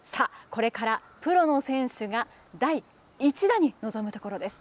これから、プロの選手が第１打に臨むところです。